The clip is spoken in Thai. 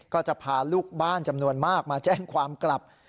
ก็จะพาลูกบ้านจำนวนมากมาแจ้งความกลับ